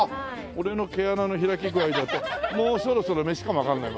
俺の毛穴の開き具合だともうそろそろ飯かもわかんない。